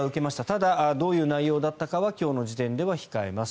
ただ、どういう内容だったかは今日の時点では控えます